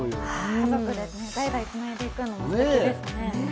家族で代々つないでいくのもすてきですね。